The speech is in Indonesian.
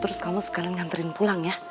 terus kamu sekalian nganterin pulang ya